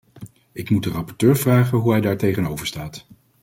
Ik moet de rapporteur vragen hoe hij daartegenover staat.